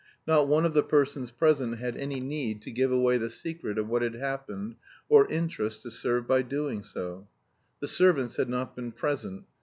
Not one of the persons present had any need to give away the secret of what had happened, or interest to serve by doing so. The servants had not been present.